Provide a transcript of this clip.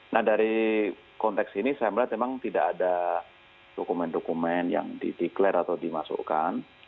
nah dari konteks ini saya melihat memang tidak ada dokumen dokumen yang dideklarasi atau dimasukkan